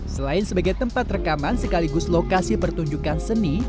selain sebagai tempat rekaman sekaligus lokasi pertunjukan seni